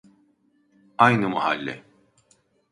Aynı mahalle